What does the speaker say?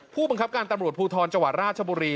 ผู้ปังกับการตำบรวจภูทรจราชบุรี